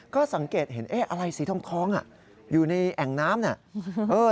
ก็สังเกตเห็นอะไรสีทองอยู่ในแอ่งน้ำน่ะ